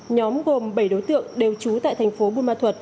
nhóm gồm bảy đối tượng đều trú tại thành phố buôn ma thuật